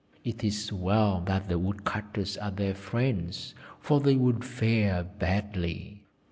"It is well that the woodcutters are their friends, or they would fare badly.